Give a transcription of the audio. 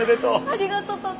ありがとうパパ。